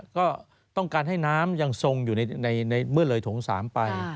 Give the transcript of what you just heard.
ก็ต้องการให้น้ำยังทรงอยู่ในเมื่อเลยโถง๓ไป